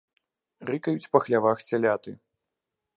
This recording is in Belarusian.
Рыкаюць па хлявах цяляты.